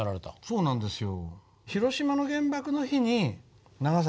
そうなんですよ。